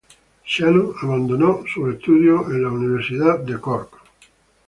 Shannon abandonó sus estudios en la University College Cork.